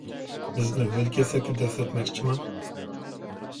بىزنى ھۆل كېسەككە دەسسەتمەكچىما؟